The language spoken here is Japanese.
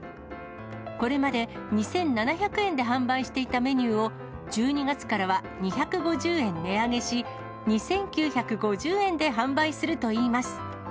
これまで２７００円で販売していたメニューを、１２月からは２５０円値上げし、２９５０円で販売するといいます。